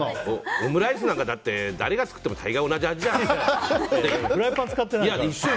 オムライスなんか誰が作っても大概同じ味じゃん。